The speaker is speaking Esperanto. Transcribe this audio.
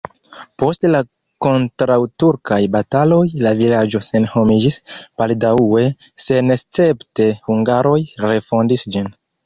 Post la kontraŭturkaj bataloj la vilaĝo senhomiĝis, baldaŭe senescepte hungaroj refondis ĝin.